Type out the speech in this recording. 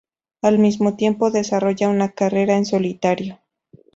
Al mismo tiempo, desarrolla una carrera en solitario.